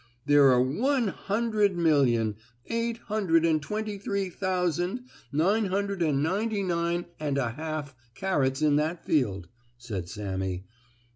"There are one hundred million, eight hundred and twenty three thousand nine hundred and ninety nine and a half carrots in that field," said Sammie.